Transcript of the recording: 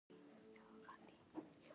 غوږونه د قرآن آواز ته ارامېږي